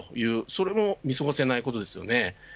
それも見過ごせないことですよね。